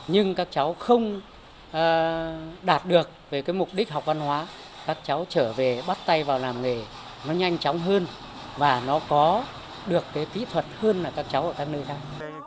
nhưng các cháu không đạt được về cái mục đích học văn hóa các cháu trở về bắt tay vào làm nghề nó nhanh chóng hơn và nó có được cái kỹ thuật hơn là các cháu ở các nơi khác